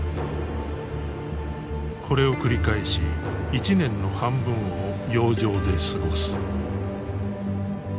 これを繰り返し１年の半分を洋上で過ごす。